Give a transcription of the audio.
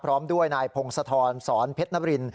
พร้อมด้วยนายพงศธรสอนเพชรนบริน